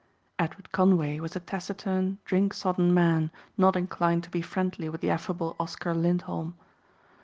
Edward Conway was a taciturn, drink sodden man not inclined to be friendly with the affable Oscar Lindholm.